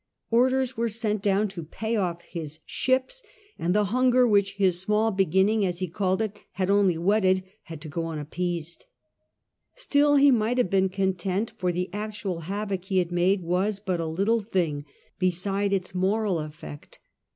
Orders were sent down to pay off his ships, and the hunger which his small beginning, as he called it, had only whetted, had to go unappeased. Still he might have been content, for the actual havoc he had made was but a little thing beside its moral CHAP. X THE DEMON ADMIRAL 131 effect.